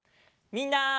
みんな！